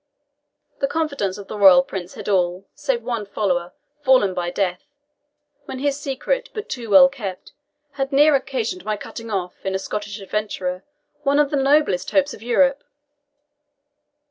The confidants of the Royal Prince had all, save one old follower, fallen by death, when his secret, but too well kept, had nearly occasioned my cutting off, in a Scottish adventurer, one of the noblest hopes of Europe.